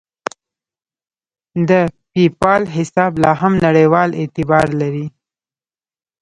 د پیپال حساب لاهم نړیوال اعتبار لري.